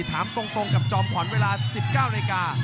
ถามตรงกับจอมผ่อนเวลา๑๙นาที